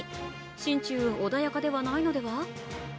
心中穏やかではないのでは？